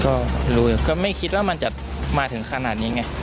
ก็รู้ก็ไม่คิดว่ามันจะมาถึงขนาดนี้ไง